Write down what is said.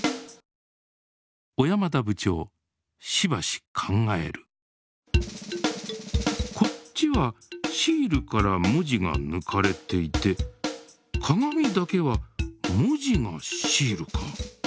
小山田部長しばし考えるこっちはシールから文字がぬかれていて「カガミ」だけは文字がシールか。